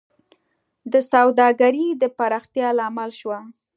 د سوداګرۍ د پراختیا لامل شوه